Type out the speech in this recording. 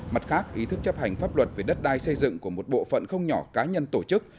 mặt khác ý thức chấp hành pháp luật về đất đai xây dựng của một bộ phận không nhỏ cá nhân tổ chức